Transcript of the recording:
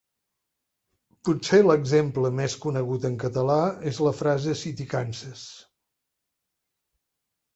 Potser l'exemple més conegut en català és la frase «si t'hi canses».